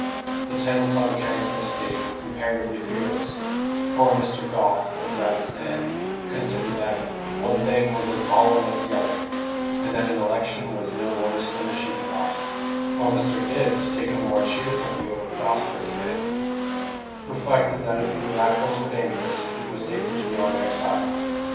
The tenants on the Transome estate were comparatively fearless: poor Mr. Goffe, of Rabbit's End, considered that "one thing was as mauling as the other," and that an election was no worse than the sheep rot; while Mr. Dibbs, taking the more cheerful view of a prosperous man, reflected that if the Radicals were dangerous, it was safer to be on their side.